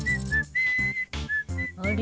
あれ？